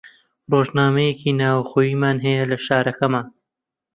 ڕۆژنامەیەکی ناوخۆییمان هەیە لە شارەکەمان